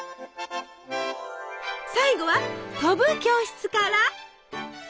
最後は「飛ぶ教室」から！